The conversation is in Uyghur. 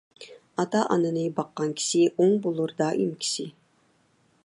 ئاتا - ئانىنى باققان كىشى، ئوڭ بولۇر دائىم ئىشى.